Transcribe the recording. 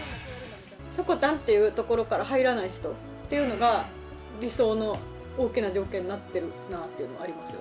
しょこたんっていうところから入らない人っていうのが、理想の大きな条件になっているなというのはありますよ。